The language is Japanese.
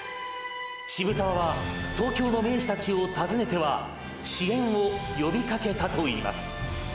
渋沢は東京の名士たちを訪ねては支援を呼びかけたといいます。